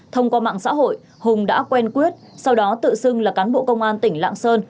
thông qua mạng xã hội hùng đã quen quyết sau đó tự xưng là cán bộ công an tỉnh lạng sơn